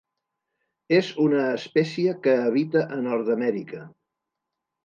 És una espècie que habita a Nord-amèrica.